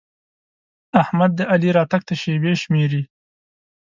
احمد د علي راتګ ته شېبې شمېري.